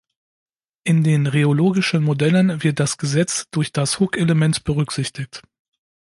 In den rheologischen Modellen wird das Gesetz durch das "Hooke"-Element berücksichtigt.